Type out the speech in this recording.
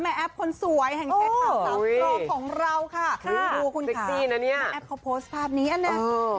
แม่แอปคนสวยแห่งแทคคาสัตว์โลกของเราค่ะดูคุณค่ะแม่แอปเค้าโพสต์ภาพนี้อันนั้น